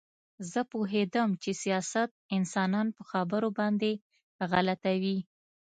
زه پوهېدم چې سیاست انسانان په خبرو باندې غلطوي